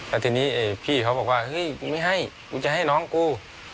แล้วทีนี้พี่เขาบอกว่าเฮ้ยมึงไม่ให้มึงจะให้น้องกู